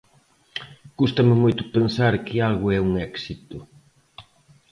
Cústame moito pensar que algo é un éxito.